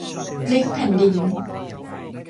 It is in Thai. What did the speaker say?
พลิกแผ่นดิน